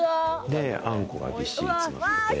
あんこがぎっしり詰まってて。